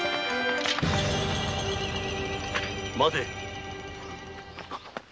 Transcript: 待て。